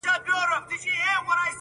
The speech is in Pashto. o د وحشت؛ په ښاریه کي زندگي ده.